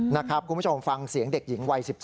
คุณผู้ชมฟังเสียงเด็กหญิงวัย๑๒